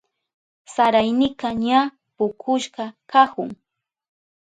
Saraynika ña pukushka kahun.